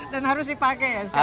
dan harus dipakai ya setiap hari